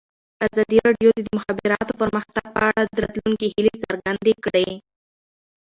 ازادي راډیو د د مخابراتو پرمختګ په اړه د راتلونکي هیلې څرګندې کړې.